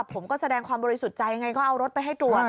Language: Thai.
ผมก็แสดงความบริสุทธิ์ใจไงก็เอารถไปให้ตรวจ